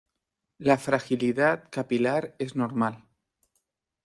La fragilidad capilar es normal.